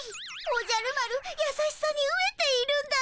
おじゃる丸優しさにうえているんだね。